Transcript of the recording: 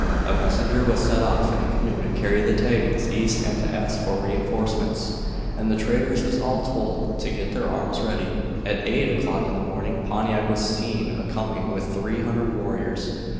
A messenger was sent off in a canoe to carry the tidings east and to ask for re enforcements, and the traders was all told to get their arms ready. "At eight o'clock in the morning Pontiac was seen a coming with three hundred warriors.